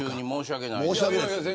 申し訳ないです。